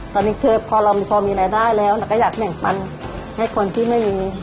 ตอนนี้คือพอเราพอมีรายได้แล้วเราก็อยากแบ่งปันให้คนที่ไม่มี